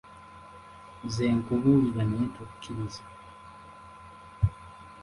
Nze nkubuulira naye tokkiriza.